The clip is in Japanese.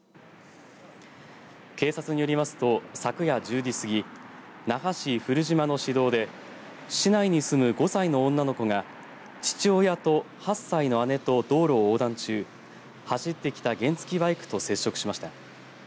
警察によりますと昨夜１０時過ぎ那覇市古島の市道で市内に住む５歳の女の子が父親と８歳の姉と道路を横断中走ってきた原付きバイクと接触しました。